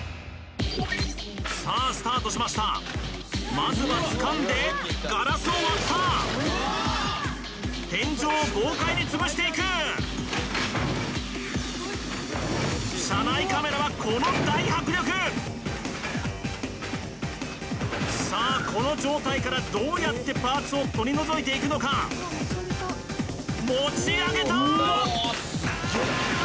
まずはつかんでガラスを割った天井を豪快につぶしていく車内カメラはこの大迫力さあこの状態からどうやってパーツを取り除いていくのか持ち上げた！